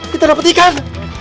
kita dapat ikan